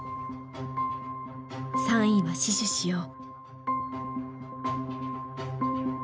「３位は死守しよう！」。